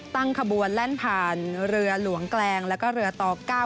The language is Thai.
ตั้งขบวนแล่นผ่านเรือหลวงแกลงแล้วก็เรือต่อ๙